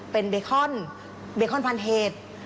เป็นเบคอนเบคอนพันเฮด